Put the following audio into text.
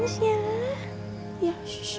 bu dimakan ya bu ya